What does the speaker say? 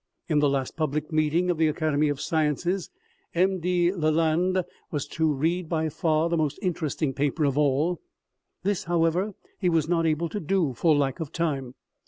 In the last public meeting of the Academy of Sciences, M de L,alande was to read by far the most interesting paper of all ; this, however, he was not able to do, for lack of time.